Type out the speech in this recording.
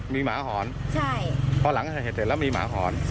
มีหมาหอนเพราะหลังเห็นแล้วมีหมาหอน